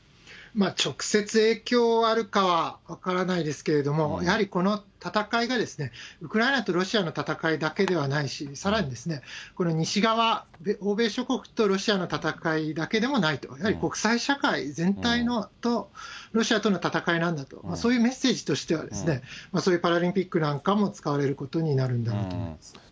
直接影響あるかは分からないですけれども、やはりこの戦いが、ウクライナとロシアの戦いだけではないし、さらに、これ、西側、欧米諸国とロシアの戦いだけでもないと、やはり国際社会全体とロシアとの戦いなんだと、そういうメッセージとしては、そういうパラリンピックなんかも使われることになるんだろうと思います。